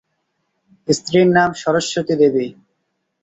স্ত্রীর নাম সরস্বতী দেবী।